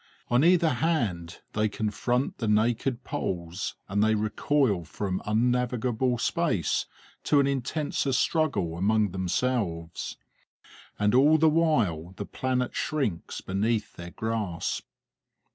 On either hand they confront the naked poles, and they recoil from unnavigable space to an intenser struggle among themselves. And all the while the planet shrinks beneath their grasp.